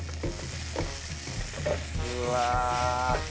うわ！